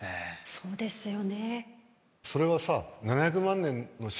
そうですよね。